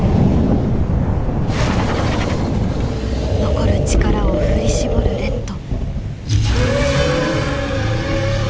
残る力を振り絞るレッド。